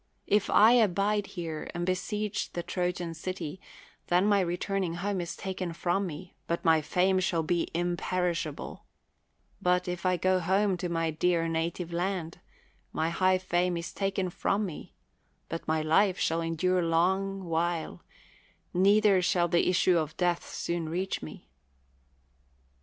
If I abide here and besiege the Trojan's city, then my returning home is taken from me, but my fame shall be imperishable; but if I go home to my dear native land, my high fame is taken from me, but my life shall endure long while, neither shall the issue of death soon reach me.